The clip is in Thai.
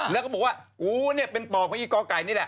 แล้วก็บอกว่าอู๋เนี่ยเป็นปอบของอีกอไก่นี่แหละ